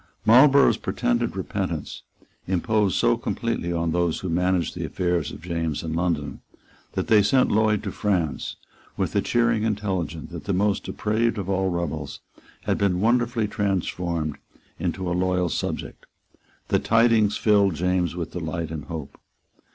Marlborough's pretended repentance imposed so completely on those who managed the affairs of James in London that they sent Lloyd to France, with the cheering intelligence that the most depraved of all rebels had been wonderfully transformed into a loyal subject. The tidings filled James with delight and hope.